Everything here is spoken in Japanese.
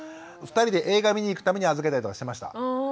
２人で映画見にいくために預けたりとかしてました。